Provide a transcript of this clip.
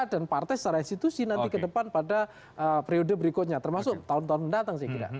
dan partai secara institusi nanti ke depan pada periode berikutnya termasuk tahun tahun mendatang saya kira